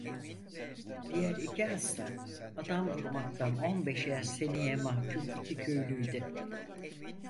Diğer iki hasta, adam vurmaktan on beşer seneye mahkum iki köylü idi.